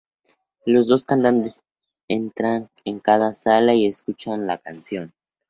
Los dos cantantes entran en cada sala y escuchan la canción.